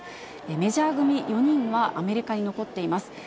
メジャー組４人はアメリカに残っています。